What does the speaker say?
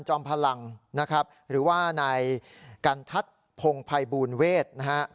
จอมพลังนะครับหรือว่านายกันทัศน์พงภัยบูลเวทนะฮะ